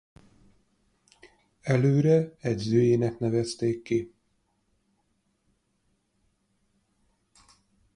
Előre edzőjének nevezték ki.